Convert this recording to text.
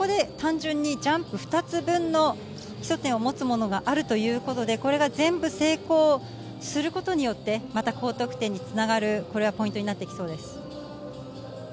単純にジャンプ２つ分の基礎点を持つものがあるということでこれが全部成功することによって、また高得点に繋がるポイントになっていきそうです。